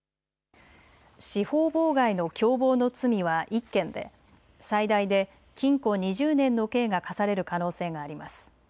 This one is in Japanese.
司法妨害の共謀の罪は１件で最大で禁錮２０年の刑が科される可能性があります。